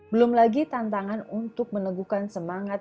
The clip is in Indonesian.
belum lagi tantangan untuk meneguhkan semangat